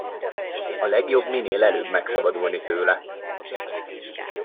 A legjobb minél előbb megszabadulni tőle!